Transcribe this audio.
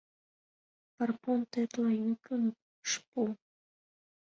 Парпон тетла йӱкым ыш пу.